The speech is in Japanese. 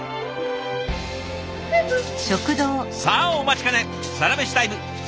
さあお待ちかねサラメシタイム。